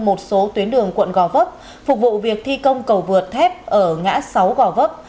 một số tuyến đường quận gò vấp phục vụ việc thi công cầu vượt thép ở ngã sáu gò vấp